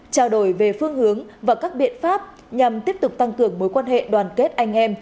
trao đổi về phương hướng và các biện pháp nhằm tiếp tục tăng cường mối quan hệ đoàn kết anh em